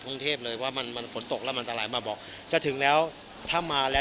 กรุงเทพเลยว่ามันมันฝนตกแล้วมันตลายมาบอกจะถึงแล้วถ้ามาแล้ว